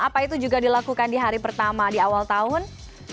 apa itu juga dilakukan di hari pertama di awal tahun